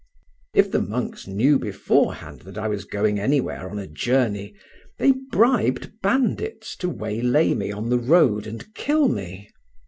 If the monks knew beforehand that I was going anywhere on a journey, they bribed bandits to waylay me on the road and kill me.